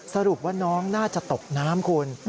สรุปว่าน้องน่าจะตกน้ำคุณ